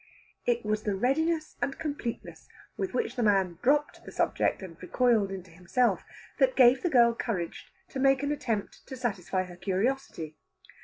It was the readiness and completeness with which the man dropped the subject, and recoiled into himself, that gave the girl courage to make an attempt to satisfy her curiosity.